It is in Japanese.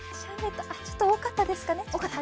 ちょっと多かったですかね。